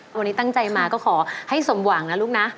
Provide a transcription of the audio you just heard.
วันนี้ตั้งใจมาก็ขอให้สมหวังนะลูกนะ